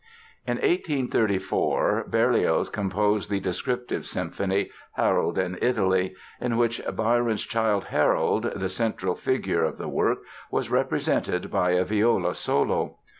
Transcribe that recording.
In 1834 Berlioz composed the "descriptive" symphony "Harold in Italy", in which Byron's Childe Harold, the central figure of the work was represented by a viola solo.